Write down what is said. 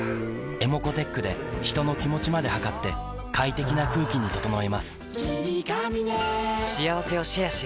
ｅｍｏｃｏーｔｅｃｈで人の気持ちまで測って快適な空気に整えます